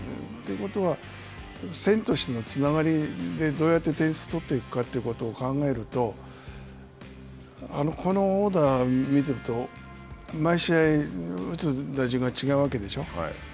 ということは、線としてのつながりでどうやって点数を取っていくかということを考えるとこのオーダー見ていると毎試合打つ打順が違うわけでしょう。